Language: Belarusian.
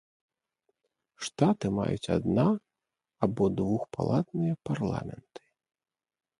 Штаты маюць адна- або двухпалатныя парламенты.